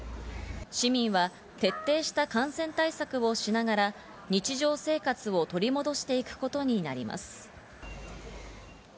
市民は徹底した感染対策をしながら日常生活を取り戻していくことになります。